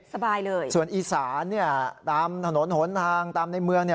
สบายเลยส่วนอีสานตามถนนถนนทางตามในเมือง